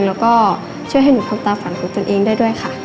แล้วก็ช่วยให้หนูทำตาฝันของตนเองได้ด้วยค่ะ